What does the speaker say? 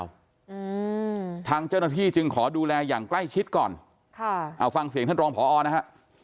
อืมทางเจ้าหน้าที่จึงขอดูแลอย่างใกล้ชิดก่อนค่ะเอาฟังเสียงท่านรองพอนะฮะ